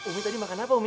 umi tadi makan apa umi